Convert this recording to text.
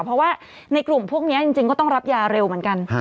เพราะว่าในกลุ่มพวกนี้จริงก็ต้องรับยาเร็วเหมือนกัน